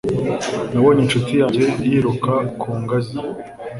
Nabonye inshuti yanjye yiruka ku ngazi.